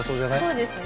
そうですね。